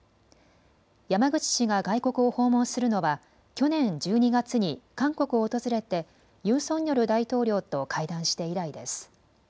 山口氏が外国を訪問するのは去年１２月に韓国を訪れてユン・ソンニョル大統領と会談して以来です。